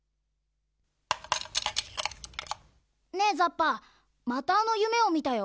ねえザッパまたあのゆめをみたよ。